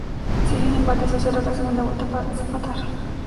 Si hay un empate, se usará la segunda vuelta para desempatar.